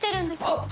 あっ！